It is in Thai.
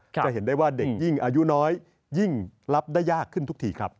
จะเห็นได้ว่าเด็กยิ่งอายุน้อยยิ่งรับได้ยากขึ้นทุกทีครับ